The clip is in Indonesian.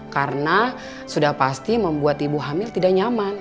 karena sudah pasti membuat ibu hamil tidak nyaman